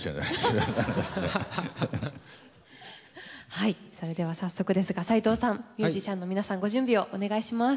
はいそれでは早速ですが斉藤さんミュージシャンの皆さんご準備をお願いします。